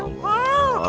oh si barong